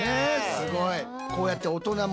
すごい。